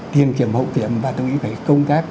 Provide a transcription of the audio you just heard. tiền kiểm hậu kiểm và tôi nghĩ phải công tác